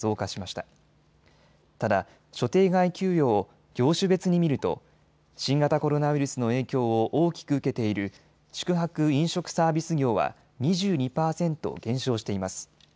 ただ所定外給与を業種別に見ると新型コロナウイルスの影響を大きく受けている宿泊・飲食サービス業は２２％減少しています。